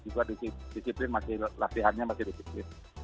disiplin masih latihannya masih disiplin